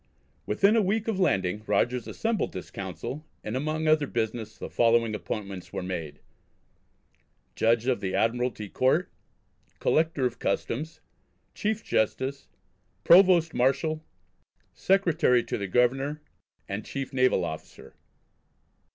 Within a week of landing Rogers assembled this Council, and among other business the following appointments were made: Judge of the Admiralty Court, Collector of Customs, Chief Justice, Provost Marshal, Secretary to the Governor, and Chief Naval Officer.